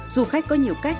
du khách có nhiều cách